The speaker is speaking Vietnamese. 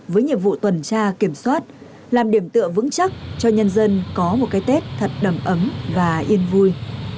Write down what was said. với nhiệm vụ tuần tra kiểm soát làm điểm tựa vững chắc cho nhân dân có một cái tết thật đầm ấm và yên vui